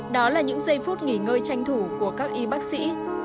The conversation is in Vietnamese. đó là những giây phút nghỉ ngơi tranh thủ của các y bác sĩ